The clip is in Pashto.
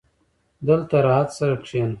• دلته راحت سره کښېنه.